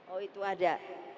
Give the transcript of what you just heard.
oh itu ada